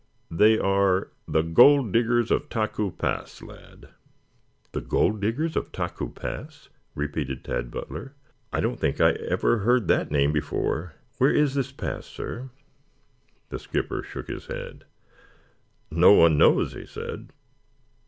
"They are the Gold Diggers of Taku Pass, lad." "The Gold Diggers of Taku Pass?" repeated Tad Butler. "I don't think I ever heard that name before. Where is this pass, sir?" The skipper shook his head. "No one knows," he said.